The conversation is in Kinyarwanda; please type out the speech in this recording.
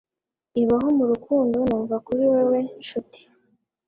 ibaho murukundo numva kuri wewe, nshuti